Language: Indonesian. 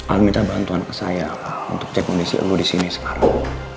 al minta bantuan ke saya untuk cek kondisi lo disini sekarang